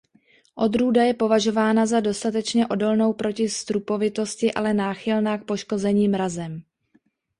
Odrůda je považována za dostatečně odolnou proti strupovitosti ale náchylná k poškození mrazem.